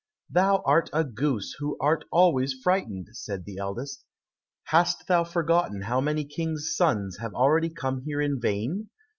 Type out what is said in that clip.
"Thou art a goose, who art always frightened," said the eldest. "Hast thou forgotten how many Kings' sons have already come here in vain?